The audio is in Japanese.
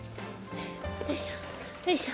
よいしょよいしょ